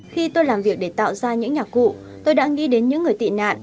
khi tôi làm việc để tạo ra những nhạc cụ tôi đã nghĩ đến những người tị nạn